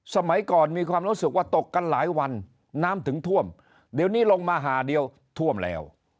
สมัยก่อนมีความรู้สึกว่าตกกันหลายวันน้ำถึงท่วมเดี๋ยวนี้ลงมาหาเดียวท่วมแล้ว